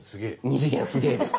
２次元すげぇです